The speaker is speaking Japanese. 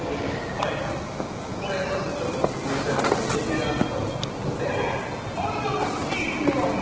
はいこれまずちょっとオススメしたいのが「レディアンスパ」っていうところでえっあんなおっきい風呂あんの？